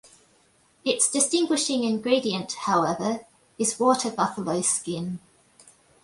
Its distinguishing ingredient, however, is water buffalo skin.